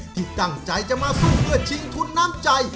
ที่ตั้งใจจะมาสู้เพื่อชิงทุนน้ำใจ